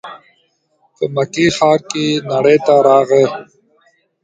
په مکې ښار کې نړۍ ته راغی.